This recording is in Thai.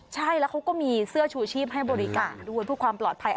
ใช่แล้วเขาก็มีเสื้อชูชีพให้บริการด้วยเพื่อความปลอดภัย